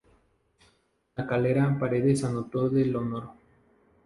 La Calera, Paredes anotó el del honor.